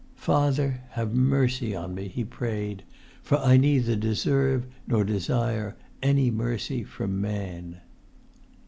"Father have mercy on me," he prayed, "for I neither deserve nor desire any mercy from man!"